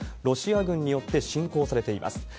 ロシア軍によって侵攻されています。